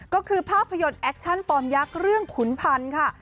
ก็คือภาพยนตร์แอคชั่นฟอร์มยักษ์เรื่องขุนพันธุ์ค่ะ